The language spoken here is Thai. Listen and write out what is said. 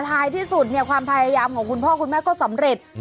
ท้ายที่สุดเนี่ยความพยายามของคุณพ่อคุณแม่ก็สำเร็จ